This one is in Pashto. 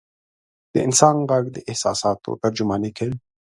د انسان ږغ د احساساتو ترجماني کوي.